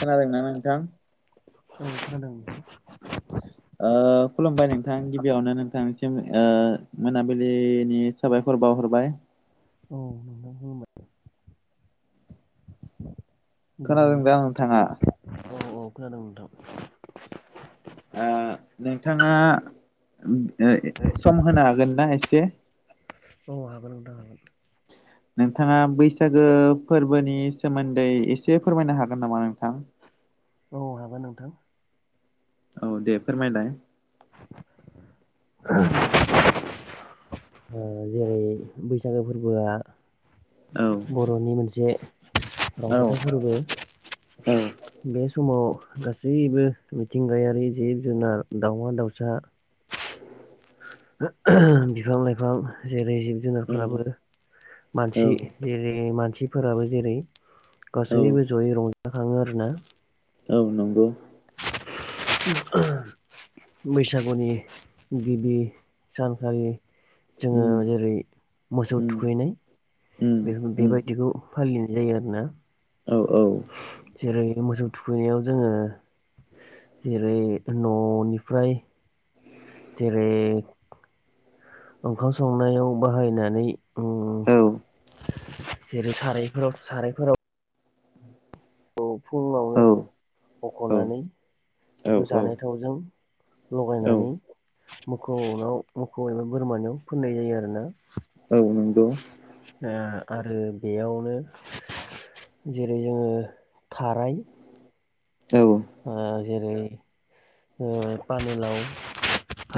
खोनादोंना नोंथां [inaudible] [inaudible] खुलुमबाय नोंथां गिबियावनो नोंथांसिम मोनाबिलिनि साबायखर बावहरबाय। औ नोंथां खुलुमबाय। खोनादों गोजोननाय दा नोंथाङा? औ औ खोनादों नोंथां। नोंथाङा सम होनो हागोन ना एसे? औ हागोन नोंथां हागोन। ज [unintelligible] नोंथाङा बैसागो फोरबोनि सोमोन्दै एसे फोरमायनो हागोन नामा नोंथां? औ हागोन नोंथां। औ दे फोरमायलाय। जेरै बैसागो फोरबोआ औ बर'नि मोनसे औ रावजाथा फोरबो बे समाव गासैबो मिथिंगायारि जिब जुनार दाउमा दाउसा बिफां लाइफां जेरै जिब औ जुनारफ्राबो मानसि औ जेरै मानसिफोराबो जेरै औ गासैबो जयै रंजाखाङो आर ना औ नंगौ। बैसागुनि गिबि सानखालि जोङो उम जेरै मोसौ उम थुखैनाय उम बे उम बेबायदिखौ फालिनाय जायो आरोना। औ औ। जेरै मोसौ थुखैनायाव जोङो जेरै न'निफ्राय [inaudible] जेरै ओंखाम संनायाव बाहायनानै औ जेरै सारायफोराव सारायफोराव फुङावनो औ औ बख'नानै बेखौ औ जानाय थावजों औ लगायनानै मोसौ मोसौ एबा बोरमानियाव फोननाय जायो आरोना। औ नंगौ आरो बेयावनो जेरै जोङो खाराय औ। जेरै- पानिलाव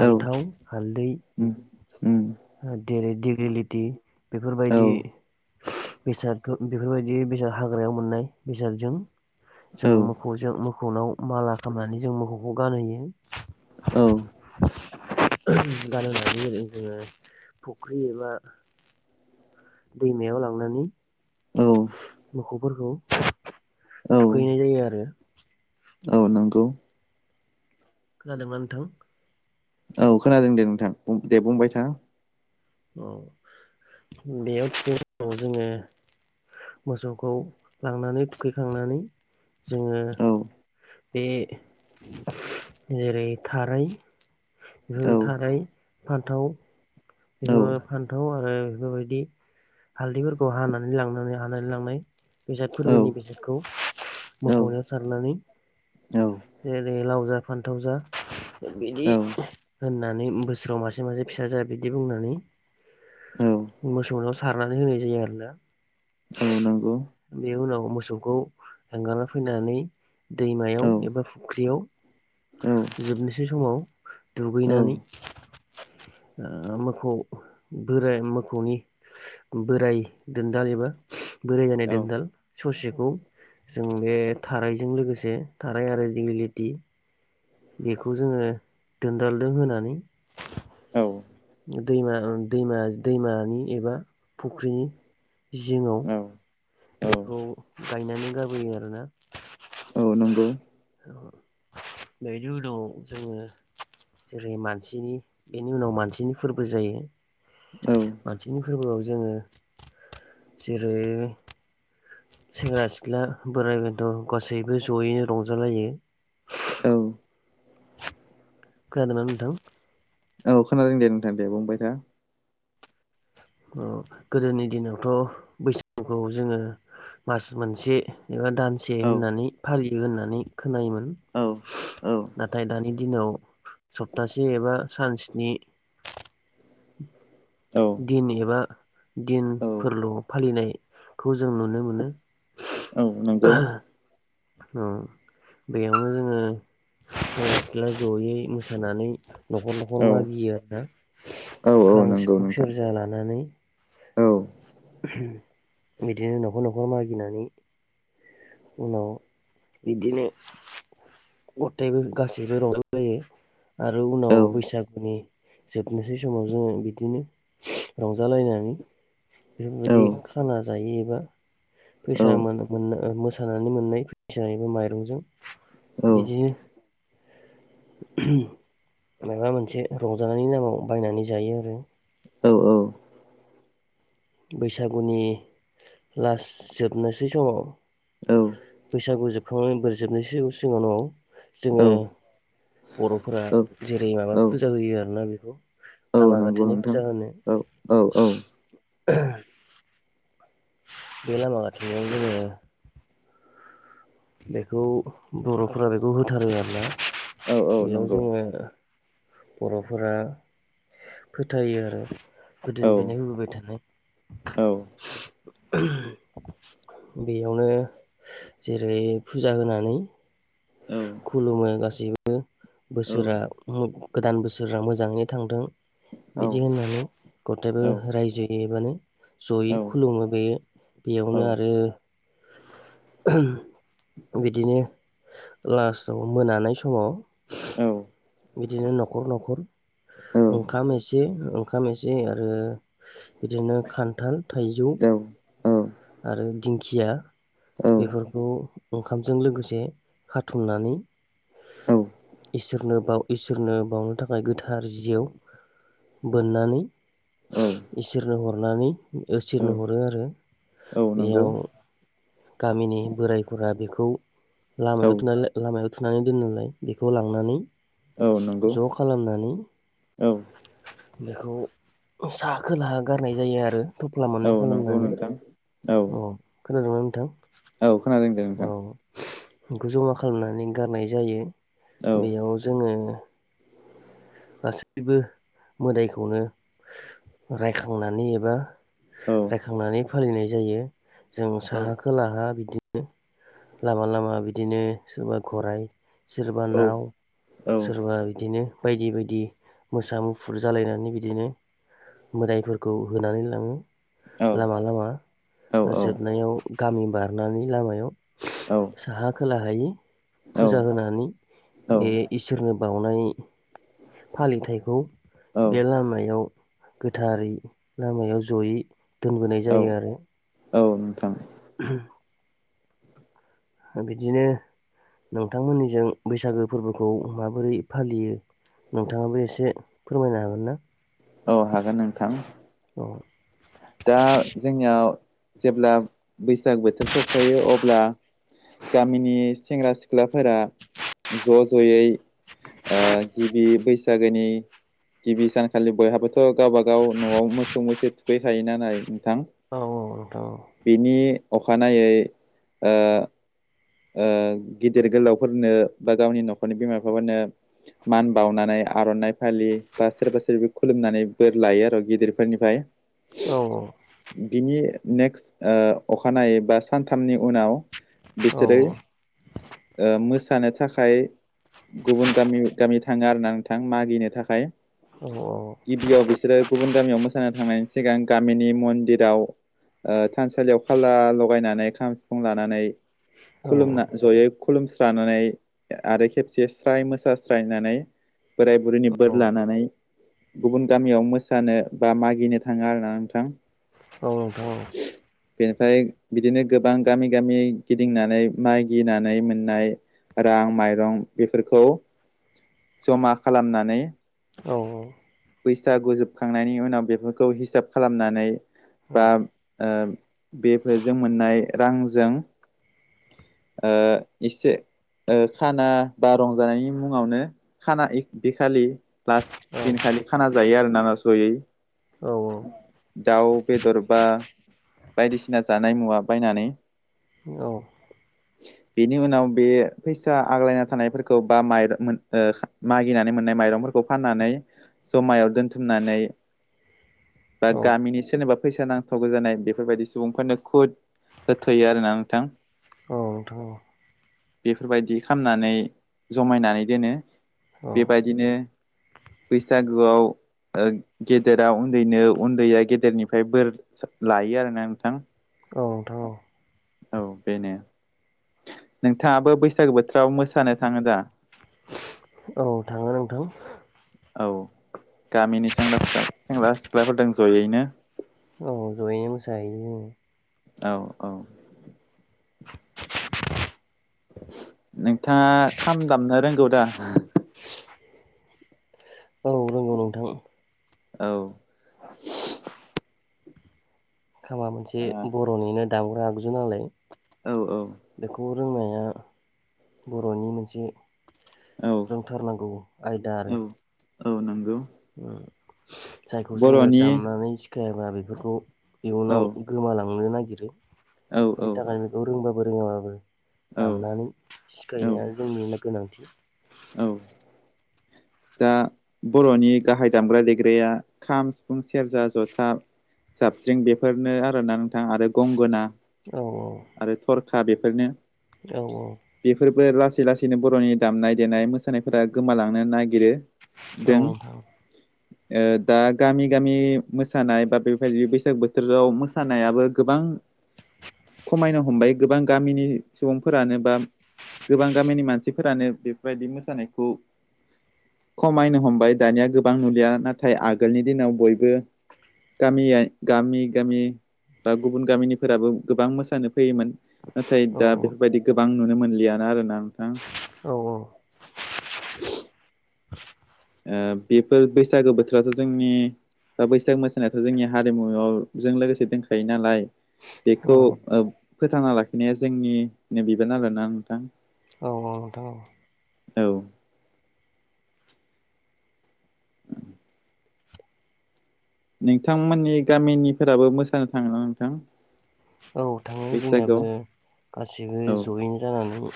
औ हालदै उम उम जेरै डिग्रिलिटि औ बेफोरबायदि बेसाद बेफोरबायदि बेसाद हाग्रायाव मोननाय बेसादजों जों मोसौजों मोसौनाव माला खालामनानै जों मोसौखौ गानहोयो। औ गाननानै जोङो फुख्रि एबा दैमायाव लांनानै औ। मोसौफोरखौ औ थुखैनाय जायो आरो औ नंगौ। खोनादोंना नोंथां? औ खोनादों दे नोंथां दे बुंबाय था। औ बेयाव थि जोङो मोसौखौ लांनानै थुखैखांनानै जोङो औ बे जेरै थारै औ बे थारै फान्थाव औ बेफोर फान्थाव आरो बेफोरबायदि हालदैफोरखौ हानानै लांनानै हानानै लांनाय बेसाद औ फोरबोनि बेसादखौ मोखौनियाव सारनानै औ ओरै लाव जा फान्थाव जा बिदि होननानै बोसोराव मासे मासे फिसा जा बिदि बुंनानै औ मोसौनाव सारनानै होनाय जायो आरोना औ नोंगौ बिनि उनाव मोसौखौ एंगारना फैनानै औ दैमायाव एबा फुख्रियाव औ जोबनोसै समाव दुगैनानै मोखौ बोराइ मोखौनि बोराय दोनदाल एबा बोराय जानाय दोनदाल ससेखौ जों बे थारायजों लोगोसे थाराय आरो दिगिलिथि बेखौ जोङो दोनदालदो होनानै औ दैमा दैमा दैमानि एबा फुख्रिनि औ जिङाव बेखौ गायनानै गारबोयो आरोना औ औ नंगौ बेनि उनाव जोङो जेरै मानसिनि बेनि उनाव मानसिनि फोरबो जायो औ मानसिनि फोरबोआव जोङो जेरै सेंग्रा सिख्ला बोराइ बेनथ' गासैबो ज'यैनो रंजालायो औ खानादों ना नोंथां औ खोनादों दे नोंथां दे बुंबाय था गोदोनि दिनावथ' बैसागुखौ जोङो मास मोनसे एबा दानसे औ होननानै फालियो होननानै खोनायोमोन औ औ नाथाय दानि दिनाव सप्तासे एबा सान सनि औ दिन एबा दिनफोरल' फालिनायखौ जों नुनो मोनो औ नंगौ बेयावनो जोङो सेंग्रा सिख्ला जयै मोसानानै न'खर औ न'खर मागियो आरोना औ औ खाम नंगौ सिफुं नोंथां सेरजा लानानै औ बिदिनो न'खर न'खर मागिनानै उनाव बिदिनो गथायबो गासैबो रंजालायो आरो उनाव बैसागुनि जोबनोसै समाव जोङो बिदिनो रंजालायनानै औ बेफोरबायदि खाना जायोबा फैसा औ मोन मोन मोसानानै मोननाय फैसा एबा माइरंजों औ बिदिनो माबा मोनसे रंजानायनि नामाव बायनानै जायो आरो औ औ बैसागुनि लास् जोबनोसै समाव बैसागु जोबखांनानै बोर जोबनोसै उनाव औ जोङो बर'फोरा जेरै औ माबा फुजा होयो आरोना बेखौ औ लामा नंगौ गाथेननाय नोंथां फुजा होनो औ औ औ [unintelligible] बे लामा गथेनायाव जोङो बेखौ बर'फोरा बेखौ होथारो आरो ना औ औ बेयाव नंगौ जोङो बर'फोरा फोथायो आरो औ गोदोनिफ्रायनो होबोबाय थानाय औ बेयावनो ओफ्राय फुजा होनानै औ खुलुमो गासैबो औ बोसोरा गोदान बोसोरा मोजाङै थांदों। बिदि होननानै गथायबो रायजो हैैयोबानो औ जयै खुलुमो बे बेयावनो आरो बिदिनो लास्टाव मोनानाय समाव बिदिनो न'खर न'खर ओंखाम एसे ओंखाम एसे आरो बिदिनो खान्थाल, थाइजौ दाउ आरो दिंखिया बेफोरखौ ओंखामजों लोगोसे खाथुमनानै इसोरनो बाव इसोरनो बावनो थाखाय गोथार जिआव बोननानै इसोरनो हरनानैसोरनो हरो आरो। औ नंगौ। बेयाव गामिनि बोरायफोरा बेखौ औ लामायाव लामायाव थुनानै दोननोलाय बेखौ लांनानै औ नंगौ ज' खालामनानै औ बेखौ सा खोलाहा गारनाय जायो आरो थफ्ला औ मोननै नंगौ खालामनानै नोंथां औ अ खोनादोंना नोंथां? औ खोनादों दे औ नोंथां। बेखौ जमा खालामनानै गारनाय जायो औ बेयाव जोङो गासैबो मोदायखौनो रायखांनानै एबा औ थांनानै फालिनाय जायो जों औ साहा खोलाहा बिदिनो लामा लामा बिदिनो सोरबा गराइ सोरबा औ नाव औ सोरबा बिदिनो बायदि बायदि मोसा मुफुर जालायनानै बिदिनो मोदायफोरखौ होनानै लाङो औ लामा लामा औ जोबनायाव गामि बारनानै लामायाव साहा खोलाहायि फुजा होनानै बे इसोरनो बाउनाय फालिथायखौ बे लामायाव गोथारै लामायाव जयै दोनबोनाय औ जायो आरो। औ नोंथां। उम। बिदिनो नोंथांमोननिजों बैसागो फोरबोखौ माबोरै फालियो। नोंथाङाबो एसे फोरमायनो हागोन ना? औ हागोन नोंथां‌। औ। दा जोंनियाव जेब्ला बैसाग बोथोर सफायो अब्ला गामिनि सेंग्रा सिख्लाफोरा ज' ज'यै गिबि बैसागोनि गिबि सानखालि बयहाबोथ' गावबागाव न'आव मोसौ मैसो थुखैखायोनाल नोंथां। औ औ। बिनि अखानायै ओ ओ गिदिर गोलावफोरनो बा गावनि न'खरनि बिमा बिफाफोरनो मान बावनानै आर'नाइ फालि बा सोरबा सोरबा खुलुमनानै बोर लायो आरो गिदिरफोरनिफ्राय। औ औ। बिनि नेक्स्ट अखानायै बा सानथामनि उनाव औ बिसोरो मोसानो थाखाय गुबुन गामि गामि थाङो आरो ना नोंथां मागिनो थाखाय। औ गिबियाव बिसोरो गुबुन गामियाव मोसानो थांनायनि सिगां गामिनि मन्दिराव थानसालियाव खाला लगायनानै खाम सिफुं लानानै औ खुलुमना जयै खुलुमस्रानानै आरो खेबसे स्राय मोसा स्रायनानै बोराय बुरैनि बोर औ लानानै गुबुन गामियाव मोसानो बा मागिनो थाङा आरोना नोंथां। औ नोंथां औ बेनिफ्राय बिदिनो गोबां गामि गामि गिदिंनानै मागिनानै मोननाय रां माइरं बेफोरखौ जमा खालामनानै औ औ बैसागु जोबखांनायनि उनाव बेफोरखौ हिसाब खालामनानै बा औ ओ बेफोरजों मोननाय रांजों ओ इसे ओ खाना बा रंजानायनि मुङावनो खाना इ बे खालि प्लास दिनखालि खाना जायो आरोना ना जयै। दाउ बेदर बा बायदिसिना जानाय मुवा बायनानै औ बेनि उनाव बे फैसा आग्लायना थानायफोरखौ बा माइरं मोन ओ [unintelligible] मागिनानै मोननाय माइरंफोरखौ फाननानै जमायाव दोनथुमनानै बा औ नोंथां औ गामिनि सोरनिबा फैसा नांथ'गो जानाय बेफोरबायदि सुबुंफोरनो खुद होथ'यो आरोना नोंथां। औ नोंथां औ' बेफोरबायदि खामनानै जमायनानै दोनो। बेबायदिनो बैसागोआव ओ गेदेर दा उन्दैनो उन्दैया गेदेरनिफ्राय बोर लायो आरोना नोंथां। औ नोंथां औ। औ बेनो। नोंथाङाबो बैसागो बोथोराव मोसानो थाङो दा? औ थाङो नोंथां। औ गामिनि सेंग्रा फिसा सेंग्रा सिख्लाफोरदों जयैनो औ औ जयै। बे मोसा हैयो। औ औ नोंथाङा खाम दामनो रोंगौ दा? औ रोंगौ नोंथां औ माबा मोनसे बर'निनो दामग्रा आगजु नालाय औ औ। बेखौ रोंनाया बर'नि मोनसे औ रोंथारनांगौ आयदा औ आरो। औ नंगौ। उम जायखौ जोङो बर'नि दामनानै सिखायाबा बेफोरखौ औ इयुनाव गोमालांनो नागिरो औ बिनि थाखायनो बेखौ रोंबाबो रोङाबाबो औ दामनानै सिखायनाया जोंनिनो गोनांथि। औ दा बर'नि गाहाय दामग्रा देग्राया खाम सिफुं सेरजा जथा जाबस्रिं बेफोरनो आरोना नोंथां आरो गंगोना। औ औ। आरो थरखा बेफोरनो। औ औ। बेफोरबो लासै लासैनो बर'नि दामनाय देनाय मोसानायफोरा गोमालांनो नागिरो। औ दों नोंथां। [inaudible] ओ दा गामि गामि मोसानाय बा बेबायदि बैसाग बोथोराव मोसानायाबो गोबां खमायनो हमबाय गोबां गामिनि सुबुंफोरानो बा गोबां गामिनि मानसिफोरानो बेफोरबायदि मोसानायखौ। खमायनो हमबाय दानिया गोबां नुलिया नाथाय आगोलनि दिनाव बयबो गामि आइ गामि गामि बा गुबुन गामिनिफोराबो गोबां मोसानो फैयोमोन नाथाय औ दा बेफोरबायदि गोबां नुनो मोनलियानो आरोना नोंथां। औ औ। ओ बेफोर बैसागो बोथोराथ' जोंनि दा बैसागो मोसानायाथ' जोंनि हारिमुआव जों लोगोसे दोनखायो नालाय। औ बेखौ ओ फोथांना लाखिनाया जोंनि नो बिबाना् आरोना नोंथां। औ औ औ। औ नोंथांमोननि गामिनिफोराबो मोसानो थाङो ना नोंथां? औ थांङो जोंनियाबो। बैसागोआव गासिबो औ जयेन जानानै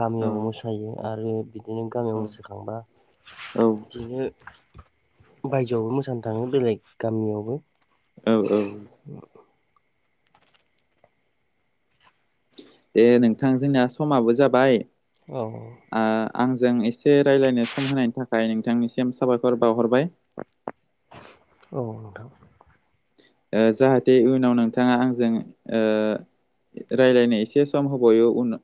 गामियाव मोसायो आरो बि बिदिनो गामियाव औ मोसोखांबा औ इदिनो बायजोआवबो मोसानो थाङो बेलेग गामियावबो। औ औ। दे नोंथां जोंनिया समाबो जाबाय। औ। ओ आंजों एसे रायज्लायनो सम होनायनि थाखाय नोंथांनिसिम साबायखर बावहरबाय। औ नोंथां। ओ जाहाथे इयुनाव नोंथाङा आंजों ओ। रायलायनो एसे समहोबावयो उनाव